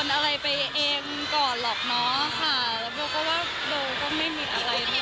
เราก็ว่าเราก็ไม่มีอะไร